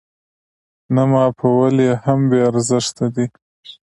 نه معافول يې هم بې ارزښته دي.